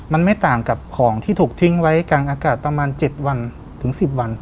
มันไม่ต่างกับของที่ถูกทิ้งไว้กลางอากาศประมาณ๗วันถึง๑๐วัน